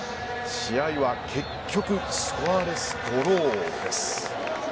試合は結局スコアレスドロー。